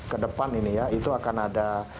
ke depan ini ya itu akan ada